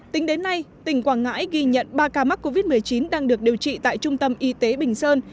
tính đến nay tỉnh quảng ngãi ghi nhận ba ca mắc covid một mươi chín đang được điều trị tại trung tâm y tế bình sơn